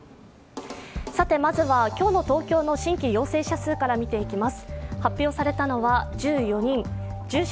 まずは今日の東京の新規陽性者数から見ていきます。